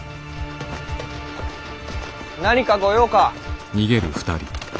何か御用か？